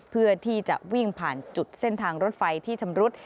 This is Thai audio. เพื่อที่จะวิ่งผ่านจุดเส้นทางรถไฟที่ชำรุด